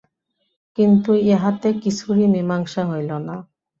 কিন্তু ইহাতে কিছুরই মীমাংসা হইল না।